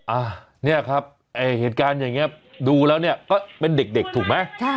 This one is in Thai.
อ่ะเนี่ยครับเหตุการณ์อย่างนี้ดูแล้วเนี่ยก็เป็นเด็กถูกไหม